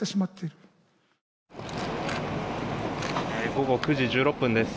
午後９時１６分です。